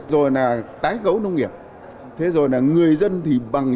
rồi là tái cấu nông nghiệp thế rồi là người dân thì bằng